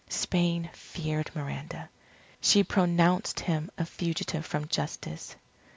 Spain feared Miranda. She pronounced him a fugitive from justice.